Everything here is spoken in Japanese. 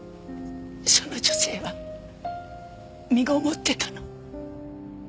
その女性は身ごもってたの。